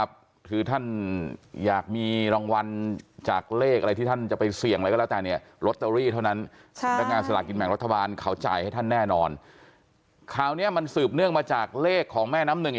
เปลือนราวตุ้นอีกนะคะถลั่วกฎหมายทั้งสองฝ่าย